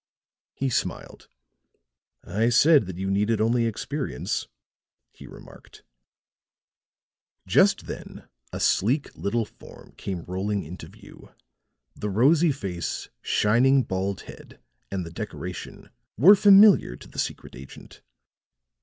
He smiled. "I said that you needed only experience," he remarked. Just then a sleek little form came rolling into view; the rosy face, shining bald head and the decoration were familiar to the secret agent.